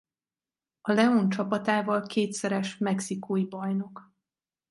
A León csapatával kétszeres mexikói bajnok.